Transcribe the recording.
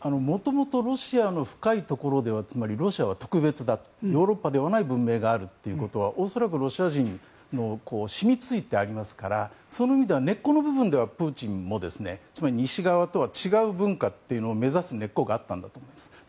元々ロシアの深いところではつまり、ロシアは特別だヨーロッパではない文明があるということは恐らくロシア人に染みついてありますからその意味では根っこの部分ではプーチンも西側とは違う文化というのを目指す根っこがあったんだと思います。